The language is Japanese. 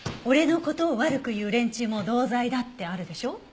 「俺のことを悪く言う連中も同罪だ」ってあるでしょ？